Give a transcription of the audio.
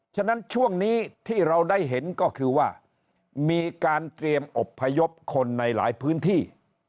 ฉะนั้นช่วงนี้ที่เราได้เห็นก็คือว่ามีการเตรียมอบพยพคนในหลายพื้นที่